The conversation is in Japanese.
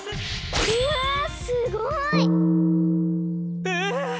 うわあすごい！え